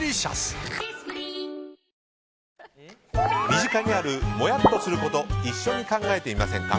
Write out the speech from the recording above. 身近なもやっとすること一緒に考えてみませんか。